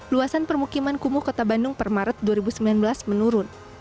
luasan permukiman kumuh kota bandung per maret dua ribu sembilan belas menurun